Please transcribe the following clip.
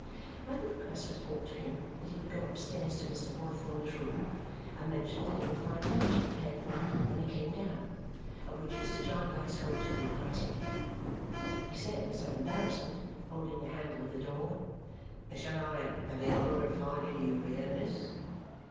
When the request was brought to him that he would go upstairs to Mr. Boythorn's room, I mentioned that he would find lunch prepared for him when he came down, of which Mr. Jarndyce hoped he would partake. He said with some embarrassment, holding the handle of the door, "Shall I have the honour of finding you here, miss?"